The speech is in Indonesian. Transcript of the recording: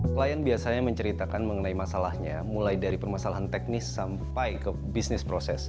klien biasanya menceritakan mengenai masalahnya mulai dari permasalahan teknis sampai ke bisnis proses